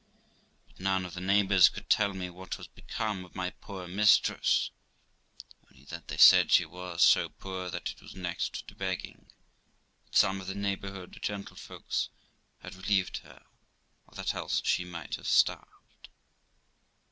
But none of the neighbours could tell me what was become of my poor mistress, only that they said she was so poor that it was next to begging; that some of the neighbouring gentle folks had relieved her, or that else she must have starved.